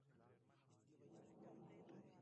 En el barrio y en la escuela lo conocen así.